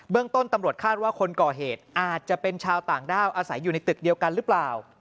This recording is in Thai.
ต้นตำรวจคาดว่าคนก่อเหตุอาจจะเป็นชาวต่างด้าวอาศัยอยู่ในตึกเดียวกันหรือเปล่า